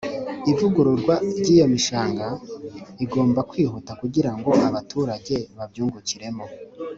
ivugururwa ry iyo mishanga igomba kwihuta kugira ngo abaturage babyungikiremo